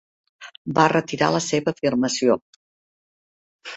Va retirar la seva afirmació.